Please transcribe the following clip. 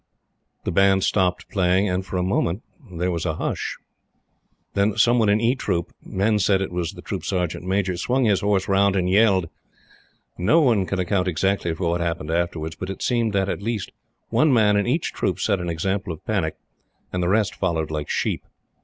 The band stopped playing, and, for a moment, there was a hush. Then some one in E troop men said it was the Troop Sergeant Major swung his horse round and yelled. No one can account exactly for what happened afterwards; but it seems that, at least, one man in each troop set an example of panic, and the rest followed like sheep.